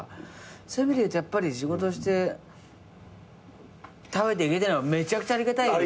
そういう意味でいうとやっぱり仕事して食べていけてんのはめちゃくちゃありがたいですし。